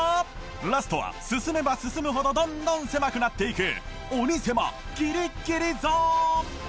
ラストは進めば進むほどどんどん狭くなっていく鬼せまギリギリゾーン！